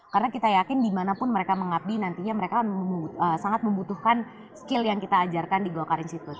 karena kita yakin dimanapun mereka mengabdi nantinya mereka sangat membutuhkan skill yang kita ajarkan di golkar institute